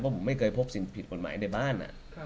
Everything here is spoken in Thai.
ผมไม่เคยพบสิ่งผิดกฎหมายในบ้าน